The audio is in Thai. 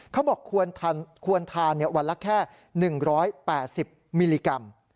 เขาบอกควรทานวันละแค่๑๘๐มิลลิกรัม